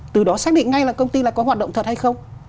từ đó xác định ngay là công ty là có hoạt động thật hay không